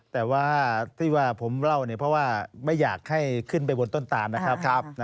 แต่ว่าที่ว่าผมเล่าเนี่ยเพราะว่าไม่อยากให้ขึ้นไปบนต้นตานนะครับ